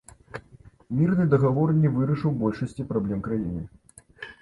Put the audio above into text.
Мірны дагавор не вырашыў большасці праблем краіны.